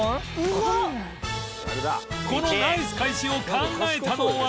このナイス返しを考えたのは